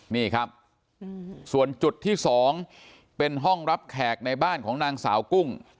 นี่ครับส่วนจุดที่๒เป็นห้องรับแขกในบ้านของนางสาวกุ้ง